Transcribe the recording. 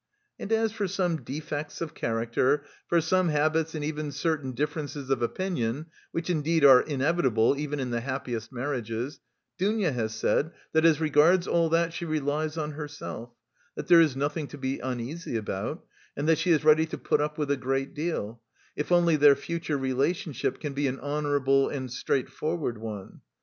And as for some defects of character, for some habits and even certain differences of opinion which indeed are inevitable even in the happiest marriages Dounia has said that, as regards all that, she relies on herself, that there is nothing to be uneasy about, and that she is ready to put up with a great deal, if only their future relationship can be an honourable and straightforward one.